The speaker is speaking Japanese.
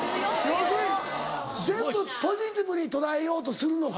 要するに全部ポジティブに捉えようとするのか。